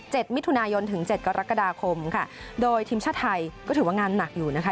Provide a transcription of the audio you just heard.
มิถุนายนถึงเจ็ดกรกฎาคมค่ะโดยทีมชาติไทยก็ถือว่างานหนักอยู่นะคะ